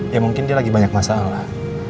ya mungkin dia lagi banyak masalah